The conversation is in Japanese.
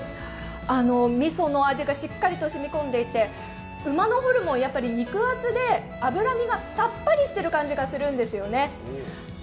みその味がしっかりと染み込んでいて馬のホルモン、肉厚で脂身がさっぱりしている感じがするんですよね。